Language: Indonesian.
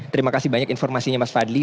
terima kasih banyak informasinya mas fadli